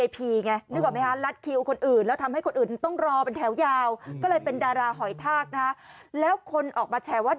เป็นแฮร์ช